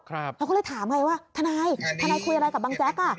เราก็เลยถามไงว่าทนายทนายคุยอะไรกับบังแจ๊กอ่ะ